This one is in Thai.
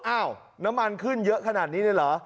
อ้าวน้ำมันขึ้นเยอะขนาดนี้เลยเหรอ